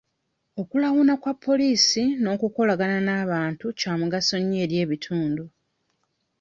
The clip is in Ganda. Okulawuna kwa poliisi n'okukolagana n'abantu kya mugaso nnyo eri ebitundu.